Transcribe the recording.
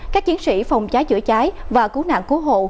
các chiến sĩ phòng cháy chữa cháy và cứu nạn cứu hộ